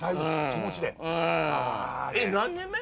気持ちでえっ何年目？